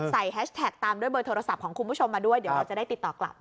แฮชแท็กตามด้วยเบอร์โทรศัพท์ของคุณผู้ชมมาด้วยเดี๋ยวเราจะได้ติดต่อกลับ